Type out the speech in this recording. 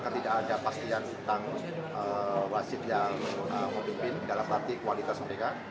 karena tidak ada pastian tang wasit yang memimpin dalam latih kualitas mereka